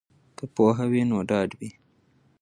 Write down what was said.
که پوهه وي نو ډاډ وي.